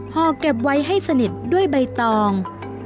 ห่อเก็บไว้ให้สนิทด้วยใบตอง